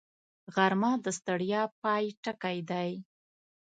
غرمه د ستړیا پای ټکی دی